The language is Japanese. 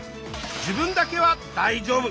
「自分だけは大丈夫？」